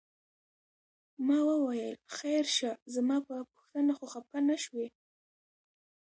ما وویل خیر شه زما په پوښتنه خو خپه نه شوې؟